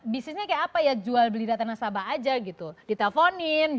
bisnisnya seperti apa jual beli data nasabah saja diteleponin